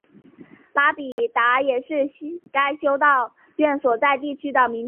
拉比达也是该修道院所在地区的名称。